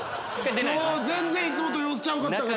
今日いつもと様子ちゃうかった。